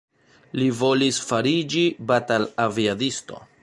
Li volis fariĝi batal-aviadisto.